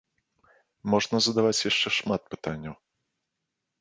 Можна задаваць яшчэ шмат пытанняў.